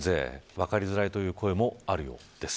分かりづらいという声もあるようです。